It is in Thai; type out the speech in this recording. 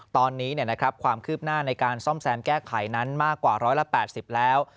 ตอนนี้ความคืบหน้าในการซ่อมแซมแก้ไขนั้นมากกว่า๑๘๐แล้ว